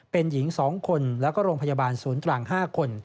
เป็นหญิง๒คนแล้วก็โรงพยาบาลศูนย์ตรัง๕คน